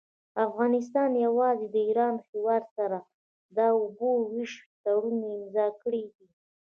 افغانستان يوازي د ايران هيواد سره د اوبو د ويش تړون امضأ کړي دي.